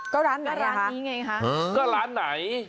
ก็ร้านไหนอ่ะค่ะฮึร้านไหน